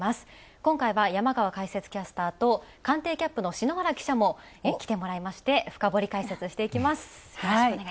今回は山川解説キャスターと官邸キャップの篠原記者も来てもらいまして、深掘り解説していきます。